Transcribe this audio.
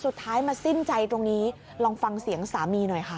สุดท้ายมาสิ้นใจตรงนี้ลองฟังเสียงสามีหน่อยค่ะ